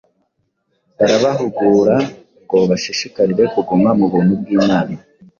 barabahugura ngo bashishikarire kuguma mu buntu bw’Imana.